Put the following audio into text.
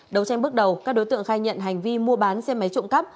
đấu tranh bước đầu các đối tượng khai nhận hành vi mua bán xe máy trộm cắp